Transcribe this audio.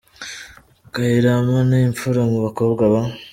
Kyarimpa ni imfura mu bakobwa ba.